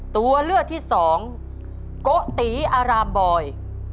ตัวเลือกที่สองโกติอารามบอย